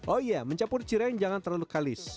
oh iya mencampur cireng jangan terlalu kalis